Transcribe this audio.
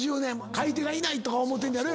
買い手がいないとか思うてんのやろ？